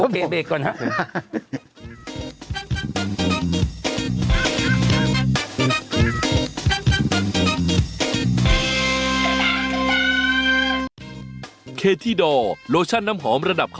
โอเคเบรกก่อนครับ